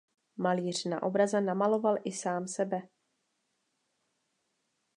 Malíř na obraze namaloval i sám sebe.